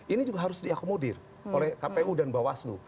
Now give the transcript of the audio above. ini juga harus diakomodir oleh kpu dan mba waslu